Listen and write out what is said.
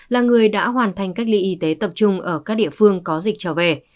là người đã hoàn thành cách ly y tế tập trung ở các địa phương có dịch trở về